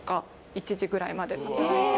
１時ぐらいまでとか。